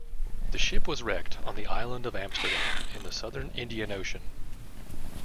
The ship was wrecked on the Island of Amsterdam in the southern Indian Ocean.